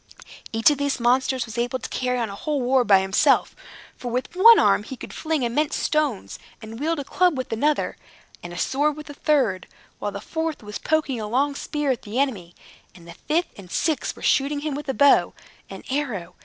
Each of these monsters was able to carry on a whole war by himself, for with one arm he could fling immense stones, and wield a club with another, and a sword with a third, while the fourth was poking a long spear at the enemy, and the fifth and sixth were shooting him with a bow and arrow.